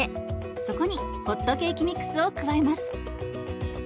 そこにホットケーキミックスを加えます。